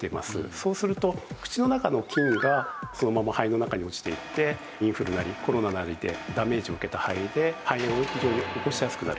そうすると口の中の菌がそのまま肺の中に落ちていってインフルなりコロナなりでダメージを受けた肺で肺炎を非常に起こしやすくなる。